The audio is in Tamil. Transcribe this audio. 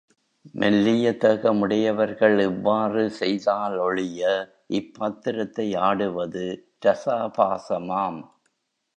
மெல்லிய தேகமுடையவர்கள் இவ்வாறு செய்தாலொழிய இப்பாத்திரத்தை ஆடுவது ரசாபாசமாம்.